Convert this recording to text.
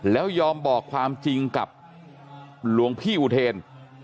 แล้วยอมบอกความจริงกับหลวงพี่อุเทน